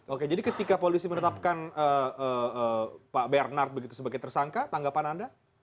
oke jadi ketika polisi menetapkan pak bernard begitu sebagai tersangka tanggapan anda